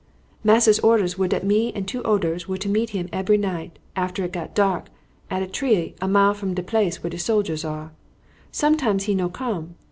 "Master's orders were dat me and two oders were to meet him ebery night, after it got dark, at a tree a mile from de place where de soldiers are. Sometimes he no come.